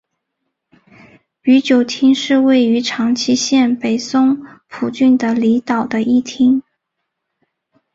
宇久町是位于长崎县北松浦郡的离岛的一町。